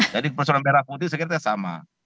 jadi persoalan merah putih saya kira sama